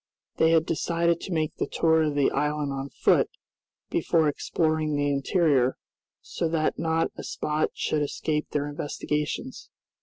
They had decided to make the tour of the island on foot, before exploring the interior; so that not a spot should escape their investigations.